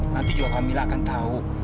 nanti juga kamila akan tahu